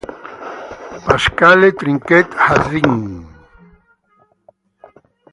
Pascale Trinquet-Hachin